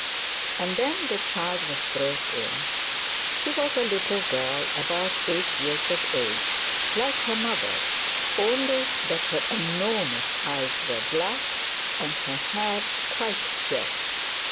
And then the child was brought in. She was a little girl, about eight years of age, like her mother, only that her enormous eyes were black, and her hair quite jet.